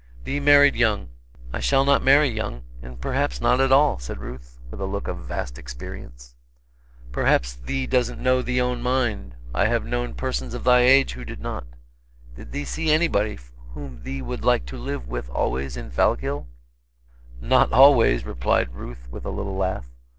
"Thee married young. I shall not marry young, and perhaps not at all," said Ruth, with a look of vast experience. "Perhaps thee doesn't know thee own mind; I have known persons of thy age who did not. Did thee see anybody whom thee would like to live with always in Fallkill?" "Not always," replied Ruth with a little laugh.